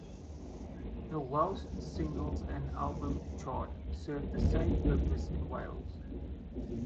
The Welsh Singles and Album Chart served the same purpose in Wales.